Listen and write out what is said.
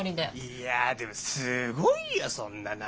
いやでもすごいよそんな長いこと。